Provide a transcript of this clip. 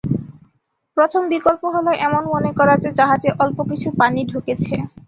প্রথম বিকল্প হলো এমন মনে করা যে, জাহাজে অল্প কিছু পানি ঢুকেছে।